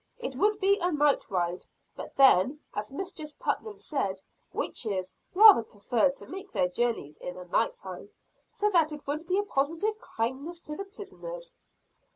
It would be a night ride; but then, as Mistress Putnam said, witches rather preferred to make their journeys in the night time so that it would be a positive kindness to the prisoners."